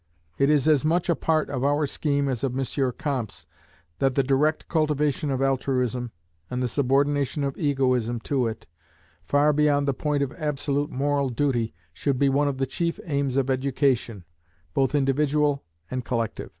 It is as much a part of our scheme as of M. Comte's, that the direct cultivation of altruism, and the subordination of egoism to it, far beyond the point of absolute moral duty, should be one of the chief aims of education, both individual and collective.